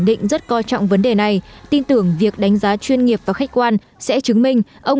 định rất coi trọng vấn đề này tin tưởng việc đánh giá chuyên nghiệp và khách quan sẽ chứng minh ông